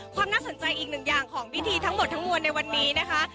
ความน่าสนใจอีกหนึ่งอย่างของพิธีทั้งหมดทั้งมวลในวันนี้นะคะ